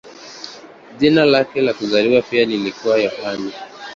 Jina lake la kuzaliwa pia lilikuwa Yohane.